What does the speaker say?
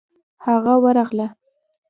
هغه ورغله.